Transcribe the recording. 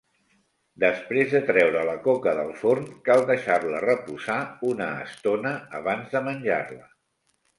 Després de treure la coca del forn cal deixar-la reposar una estona abans de menjar-la.